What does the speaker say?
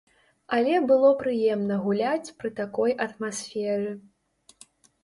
Але было прыемна гуляць пры такой атмасферы.